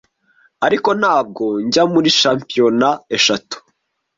ariko ntabwo njya muri shampiyona eshatu